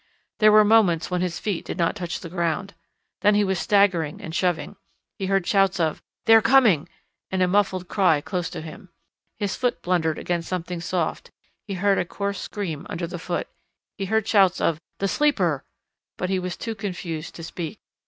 There were moments when his feet did not touch the ground. Then he was staggering and shoving. He heard shouts of "They are coming!" and a muffled cry close to him. His foot blundered against something soft, he heard a hoarse scream under foot. He heard shouts of "The Sleeper!" but he was too confused to speak.